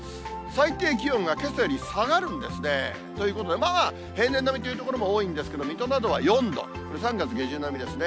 最低気温がけさより下がるんですね。ということで、平年並みという所も多いんですけど、水戸などは４度、３月下旬並みですね。